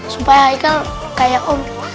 supaya haikal kayak om